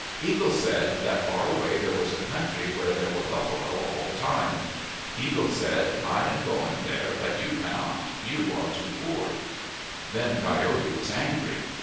Eagle said that far away there was a country where there were buffalo all the time. Eagle said, " I am going there, but you cannot. You are too poor/' Then Coyote was angry.